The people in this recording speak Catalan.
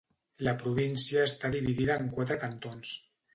La província està dividida en quatre cantons.